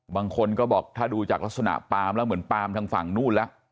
บางคนก็บอกถ้าดูจากลักษณะปามแล้วเหมือนปามทางฝั่งนู้นแล้ว